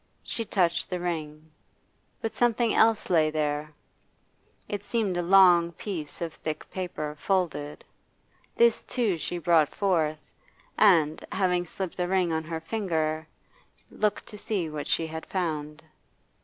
She touched the ring. But something else lay there; it seemed a long piece of thick paper, folded. This too she brought forth, and, having slipped the ring on her finger, looked to see what she had found.